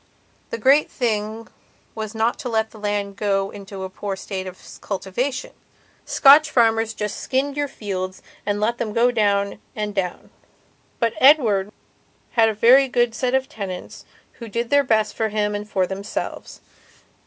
The great thing was not to let the land get into a poor state of cultivation. Scotch farmers just skinned your fields and let them go down and down. But Edward had a very good set of tenants who did their best for him and for themselves.